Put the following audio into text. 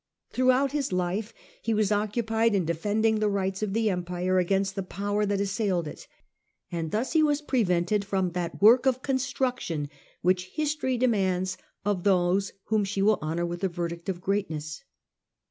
Throughout his life he was occupied in defending the rights of the Empire against the power that assailed it, and thus he was prevented from that work of construction which History demands of those whom she will honour with the verdict of greatness.